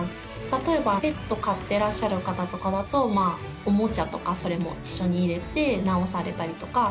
例えば、ペットを飼ってらっしゃる方とかだとおもちゃとかそれも一緒に入れて直されたりとか。